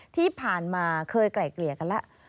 ที่ผ่านมาเคยไกล่เกลี่ยกันแล้ว